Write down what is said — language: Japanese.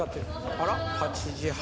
あら８時半。